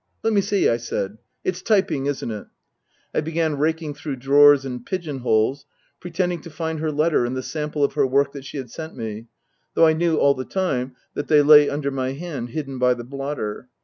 " Let me see," I said, " it's typing, isn't it ?" I began raking through drawers and pigeon holes, pre tending to find her letter and the sample of her work that she had sent me, though I knew all the time that they lay under my hand hidden by the blotter.